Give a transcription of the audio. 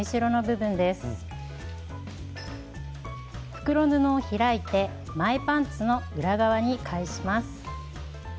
袋布を開いて前パンツの裏側に返します。